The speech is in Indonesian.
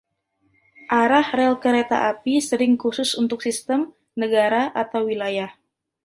Arah rel kereta api sering khusus untuk sistem, negara, atau wilayah.